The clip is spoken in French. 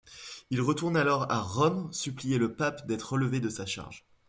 Il retourne alors à Rome supplier le pape d'être relevé de sa charge.